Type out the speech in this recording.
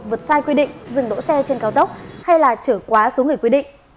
vượt sai quy định dừng đỗ xe trên cao tốc hay là trở quá số người quy định